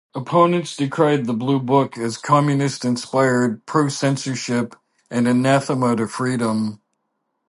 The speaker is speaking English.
Opponents decried the Blue Book as Communist-inspired, pro-censorship, and anathema to freedom.